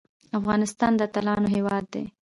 افغانستان د اتلانو هیواد دی